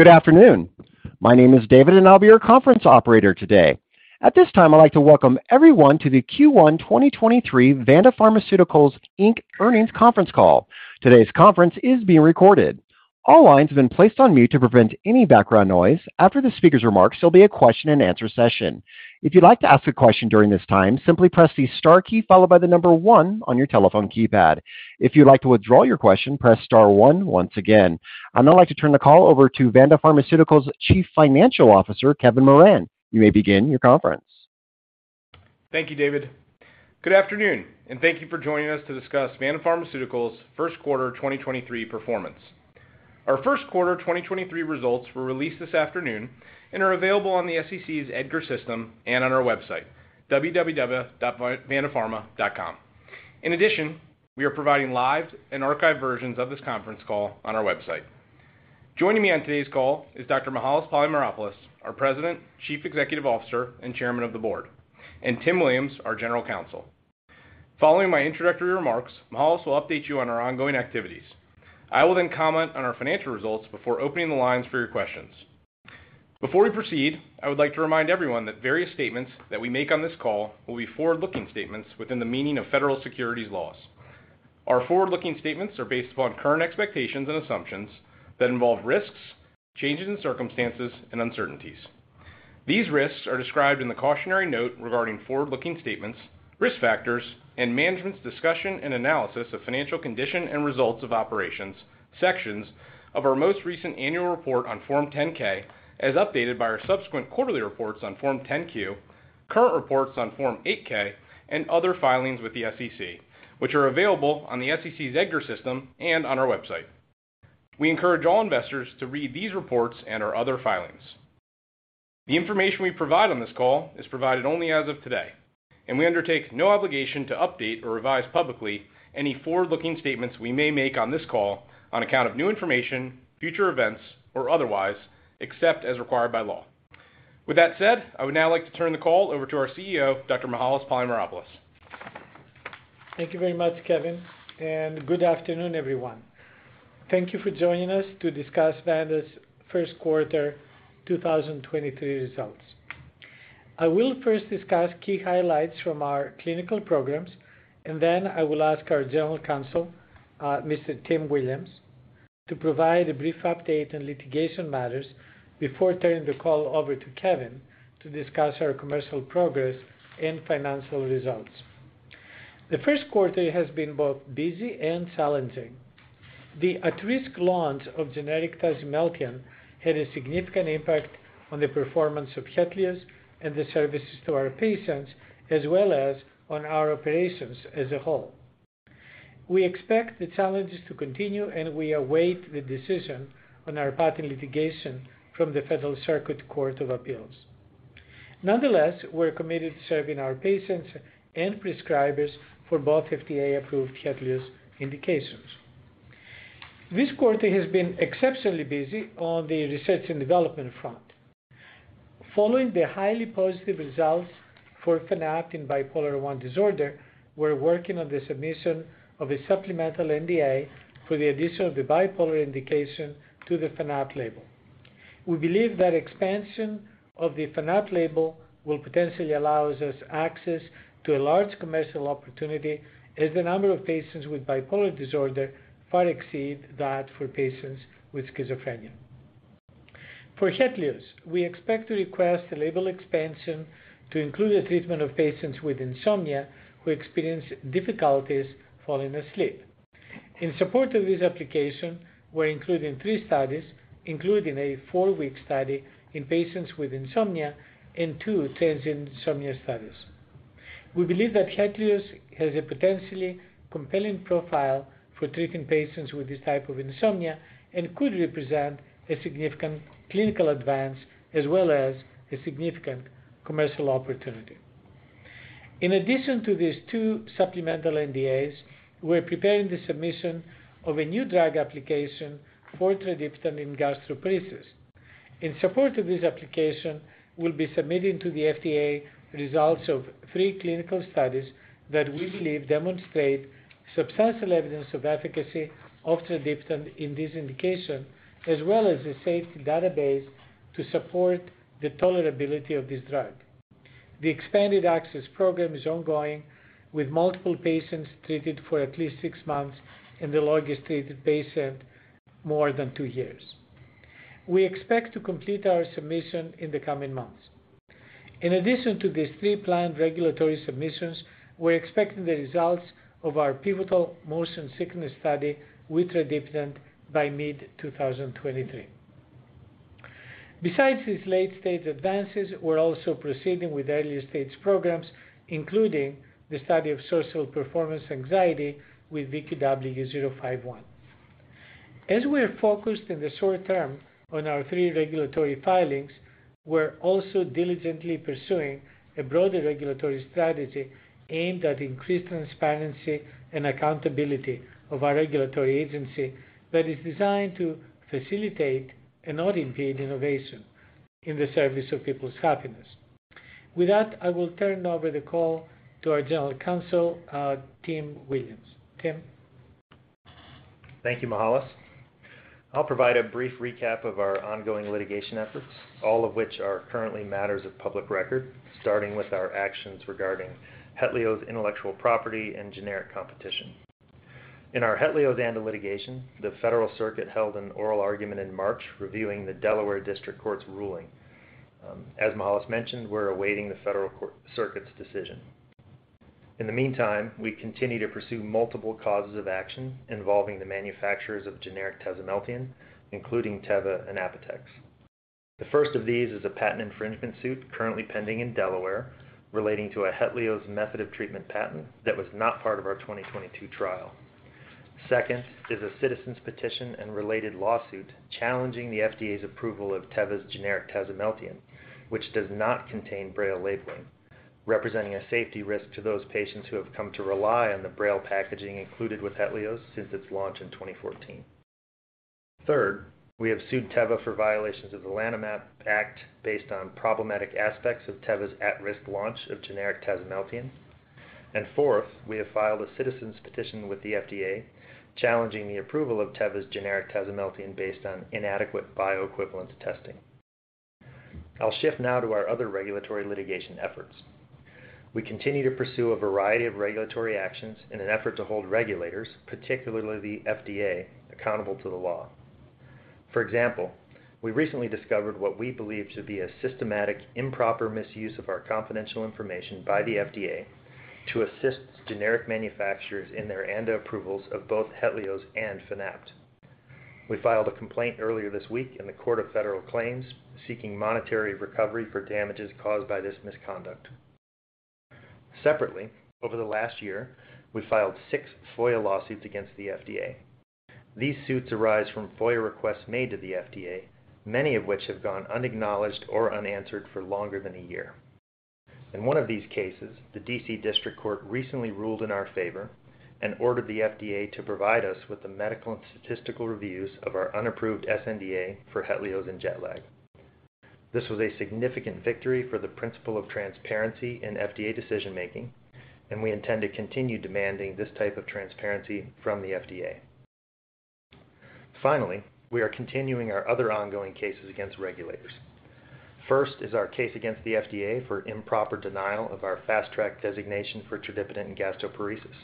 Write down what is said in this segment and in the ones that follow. Good afternoon. My name is David, and I'll be your conference operator today. At this time, I'd like to welcome everyone to the Q1 2023 Vanda Pharmaceuticals Inc. earnings conference call. Today's conference is being recorded. All lines have been placed on mute to prevent any background noise. After the speaker's remarks, there'll be a question-and-answer session. If you'd like to ask a question during this time, simply press the star key followed by the number one on your telephone keypad. If you'd like to withdraw your question, press star one once again. I'd now like to turn the call over to Vanda Pharmaceutical's Chief Financial Officer, Kevin Moran. You may begin your conference. Thank you, David. Good afternoon, thank you for joining us to discuss Vanda Pharmaceutical's Q1 2023 performance. Our Q1 2023 results were released this afternoon and are available on the SEC's EDGAR system and on our website, www.vandapharma.com. We are providing live and archived versions of this conference call on our website. Joining me on today's call is Dr. Mihael Polymeropoulos, our President, Chief Executive Officer, and Chairman of the Board, and Tim Williams, our General Counsel. Following my introductory remarks, Mihael will update you on our ongoing activities. I will comment on our financial results before opening the lines for your questions. Before we proceed, I would like to remind everyone that various statements that we make on this call will be forward-looking statements within the meaning of federal securities laws. Our forward-looking statements are based upon current expectations and assumptions that involve risks, changes in circumstances, and uncertainties. These risks are described in the cautionary note regarding forward-looking statements, risk factors, and management's discussion and analysis of financial condition and results of operations sections of our most recent annual report on Form 10-K, as updated by our subsequent quarterly reports on Form 10-Q, current reports on Form 8-K, and other filings with the SEC, which are available on the SEC's EDGAR system and on our website. We encourage all investors to read these reports and our other filings. The information we provide on this call is provided only as of today, and we undertake no obligation to update or revise publicly any forward-looking statements we may make on this call on account of new information, future events, or otherwise, except as required by law. With that said, I would now like to turn the call over to our CEO, Dr. Mihael Polymeropoulos. Thank you very much, Kevin. Good afternoon, everyone. Thank you for joining us to discuss Vanda's Q1 2023 results. I will first discuss key highlights from our clinical programs, and then I will ask our General Counsel, Mr. Tim Williams, to provide a brief update on litigation matters before turning the call over to Kevin to discuss our commercial progress and financial results. The Q1 has been both busy and challenging. The at-risk launch of generic tasimelteon had a significant impact on the performance of HETLIOZ and the services to our patients, as well as on our operations as a whole. We expect the challenges to continue, and we await the decision on our patent litigation from the Federal Circuit Court of Appeals. Nonetheless, we're committed to serving our patients and prescribers for both FDA-approved HETLIOZ indications. This quarter has been exceptionally busy on the research and development front. Following the highly positive results for Fanapt in bipolar I disorder, we're working on the submission of a supplemental NDA for the addition of the bipolar indication to the Fanapt label. We believe that expansion of the Fanapt label will potentially allows us access to a large commercial opportunity as the number of patients with bipolar disorder far exceed that for patients with schizophrenia. For HETLIOZ, we expect to request a label expansion to include the treatment of patients with insomnia who experience difficulties falling asleep. In support of this application, we're including three studies, including a four-week study in patients with insomnia and two transient insomnia studies. We believe that HETLIOZ has a potentially compelling profile for treating patients with this type of insomnia and could represent a significant clinical advance as well as a significant commercial opportunity. In addition to these 2 supplemental NDAs, we're preparing the submission of a new drug application for tradipitant in gastroparesis. In support of this application, we'll be submitting to the FDA results of 3 clinical studies that we believe demonstrate substantial evidence of efficacy of tradipitant in this indication, as well as a safety database to support the tolerability of this drug. The expanded access program is ongoing, with multiple patients treated for at least 6 months and the longest treated patient more than two years. We expect to complete our submission in the coming months. In addition to these three planned regulatory submissions, we're expecting the results of our pivotal motion sickness study with tradipitant by mid-2023. Besides these late-stage advances, we're also proceeding with earlier-stage programs, including the study of social performance anxiety with VQW-765. As we are focused in the short term on our three regulatory filings, we're also diligently pursuing a broader regulatory strategy aimed at increased transparency and accountability of our regulatory agency that is designed to facilitate and not impede innovation in the service of people's happiness. With that, I will turn over the call to our General Counsel, Tim Williams. Tim. Thank you, Mihael. I'll provide a brief recap of our ongoing litigation efforts, all of which are currently matters of public record, starting with our actions regarding HETLIOZ intellectual property and generic competition. In our HETLIOZ ANDA litigation, the Federal Circuit held an oral argument in March reviewing the Delaware District Court's ruling. As Mihael mentioned, we're awaiting the Federal Circuit's decision. In the meantime, we continue to pursue multiple causes of action involving the manufacturers of generic tasimelteon, including Teva and Apotex. The first of these is a patent infringement suit currently pending in Delaware relating to a HETLIOZ method of treatment patent that was not part of our 2022 trial. Second is a citizen petition and related lawsuit challenging the FDA's approval of Teva's generic tasimelteon, which does not contain Braille labeling, representing a safety risk to those patients who have come to rely on the Braille packaging included with HETLIOZ since its launch in 2014. Third, we have sued Teva for violations of the Lanham Act based on problematic aspects of Teva's at-risk launch of generic tasimelteon. Fourth, we have filed a citizen petition with the FDA challenging the approval of Teva's generic tasimelteon based on inadequate bioequivalence testing. I'll shift now to our other regulatory litigation efforts. We continue to pursue a variety of regulatory actions in an effort to hold regulators, particularly the FDA, accountable to the law. For example, we recently discovered what we believe to be a systematic improper misuse of our confidential information by the FDA to assist generic manufacturers in their ANDA approvals of both HETLIOZ and Fanapt. We filed a complaint earlier this week in the Court of Federal Claims seeking monetary recovery for damages caused by this misconduct. Separately, over the last year, we filed 6 FOIA lawsuits against the FDA. These suits arise from FOIA requests made to the FDA, many of which have gone unacknowledged or unanswered for longer than a year. In one of these cases, the D.C. District Court recently ruled in our favor and ordered the FDA to provide us with the medical and statistical reviews of our unapproved sNDA for HETLIOZ and jet lag. This was a significant victory for the principle of transparency in FDA decision-making, and we intend to continue demanding this type of transparency from the FDA. Finally, we are continuing our other ongoing cases against regulators. First is our case against the FDA for improper denial of our Fast Track designation for tradipitant and gastroparesis.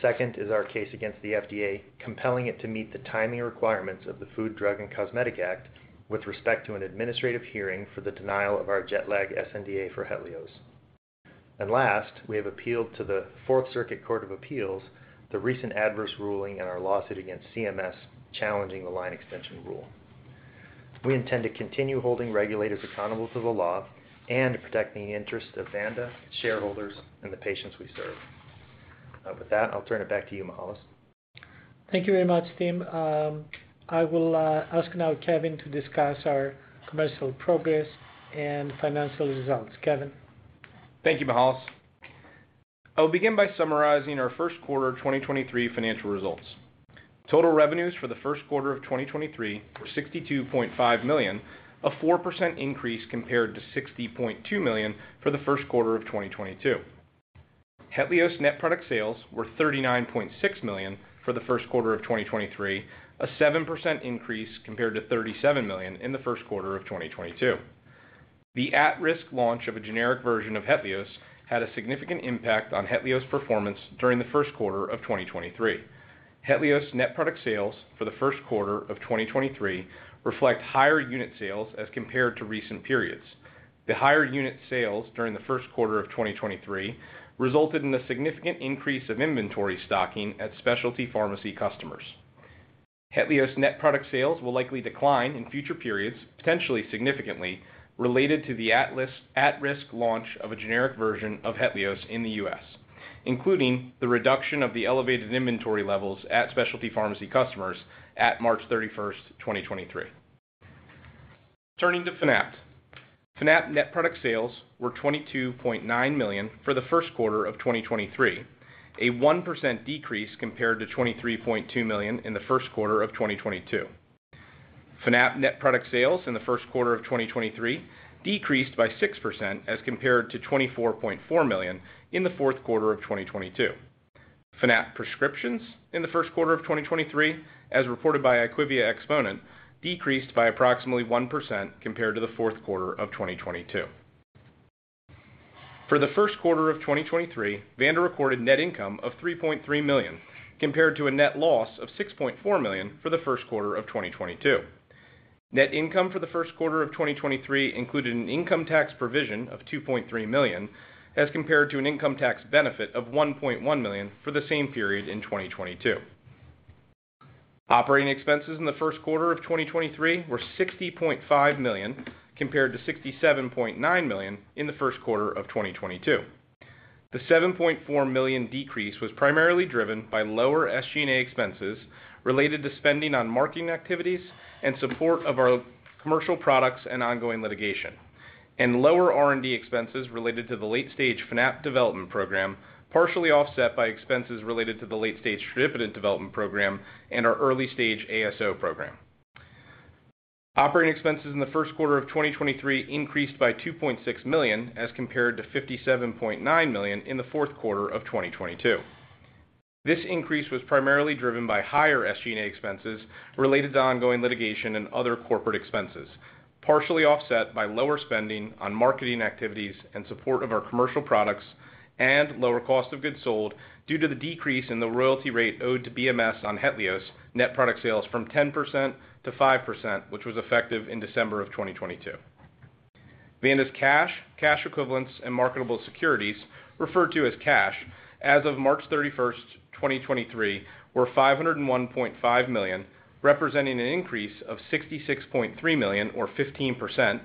Second is our case against the FDA, compelling it to meet the timing requirements of the Food, Drug, and Cosmetic Act with respect to an administrative hearing for the denial of our jet lag sNDA for HETLIOZ. Last, we have appealed to the Fourth Circuit Court of Appeals, the recent adverse ruling in our lawsuit against CMS, challenging the line extension rule. We intend to continue holding regulators accountable to the law and to protect the interests of Vanda, shareholders, and the patients we serve. With that, I'll turn it back to you, Mihael. Thank you very much, Tim. I will ask now Kevin to discuss our commercial progress and financial results. Kevin. Thank you, Mihael. I'll begin by summarizing our Q1 of 2023 financial results. Total revenues for the Q1 of 2023 were $62.5 million, a 4% increase compared to $60.2 million for the Q1 of 2022. HETLIOZ net product sales were $39.6 million for the Q1 of 2023, a 7% increase compared to $37 million in the Q1 of 2022. The at-risk launch of a generic version of HETLIOZ had a significant impact on HETLIOZ performance during the Q1 of 2023. HETLIOZ net product sales for the Q1 of 2023 reflect higher unit sales as compared to recent periods. The higher unit sales during the Q1 of 2023 resulted in a significant increase of inventory stocking at specialty pharmacy customers. HETLIOZ net product sales will likely decline in future periods, potentially significantly, related to the at-risk launch of a generic version of HETLIOZ in the U.S., including the reduction of the elevated inventory levels at specialty pharmacy customers at March 31st, 2023. Turning to Fanapt. Fanapt net product sales were $22.9 million for the Q1 of 2023, a 1% decrease compared to $23.2 million in the Q1 of 2022. Fanapt net product sales in the Q1 of 2023 decreased by 6% as compared to $24.4 million in the Q4 of 2022. Fanapt prescriptions in the Q1 of 2023, as reported by IQVIA Xponent, decreased by approximately 1% compared to the Q4 of 2022. For the Q1 of 2023, Vanda recorded Net Income of $3.3 million, compared to a net loss of $6.4 million for the Q1 of 2022. Net Income for the Q1 of 2023 included an income tax provision of $2.3 million, as compared to an income tax benefit of $1.1 million for the same period in 2022. Operating expenses in the Q1 of 2023 were $60.5 million, compared to $67.9 million in the Q1 of 2022. The $7.4 million decrease was primarily driven by lower SG&A expenses related to spending on marketing activities and support of our commercial products and ongoing litigation, and lower R&D expenses related to the late stage Fanapt development program, partially offset by expenses related to the late stage tradipitant development program and our early stage ASO program. Operating expenses in the Q1 of 2023 increased by $2.6 million, as compared to $57.9 million in the Q4 of 2022. This increase was primarily driven by higher SG&A expenses related to ongoing litigation and other corporate expenses, partially offset by lower spending on marketing activities and support of our commercial products and lower cost of goods sold due to the decrease in the royalty rate owed to BMS on HETLIOZ net product sales from 10% to 5%, which was effective in December of 2022. Vanda's cash equivalents, and marketable securities, referred to as cash, as of March 31st, 2023, were $501.5 million, representing an increase of $66.3 million or 15%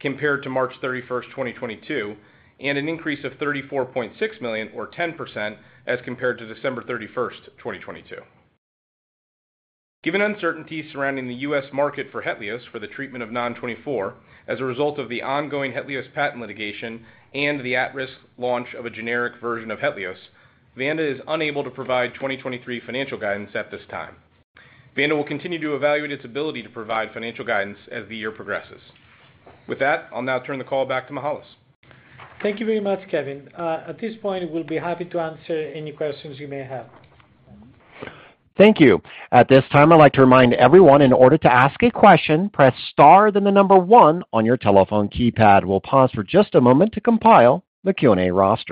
compared to March 31st, 2022, and an increase of $34.6 million or 10% as compared to December 31st, 2022. Given uncertainty surrounding the U.S. market for HETLIOZ for the treatment of Non-24 as a result of the ongoing HETLIOZ patent litigation and the at-risk launch of a generic version of HETLIOZ, Vanda is unable to provide 2023 financial guidance at this time. Vanda will continue to evaluate its ability to provide financial guidance as the year progresses. I'll now turn the call back to Mihael. Thank you very much, Kevin. At this point, we'll be happy to answer any questions you may have. Thank you. At this time, I'd like to remind everyone in order to ask a question, press star then the number 1 on your telephone keypad. We'll pause for just a moment to compile the Q&A roster.